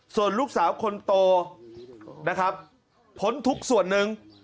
ส่วนลูกสาวคนโตผลทุกส่วนนึง